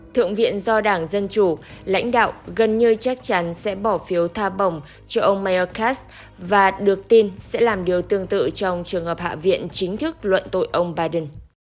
thượng viện do đảng dân chủ lãnh đạo gần như chắc chắn sẽ bỏ phiếu tha bổng cho ông mayer cas và được tin sẽ làm điều tương tự trong trường hợp hạ viện chính thức luận tội ông biden